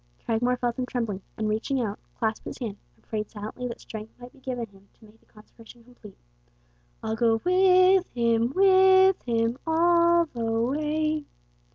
Cragmore felt him trembling, and, reaching out, clasped his hand, and prayed silently that strength might be given him to make the consecration complete. "I'll go with Him, with Him, all the way!"